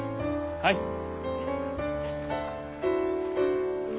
はい。